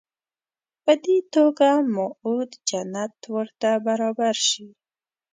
په دې توګه موعود جنت ورته برابر شي.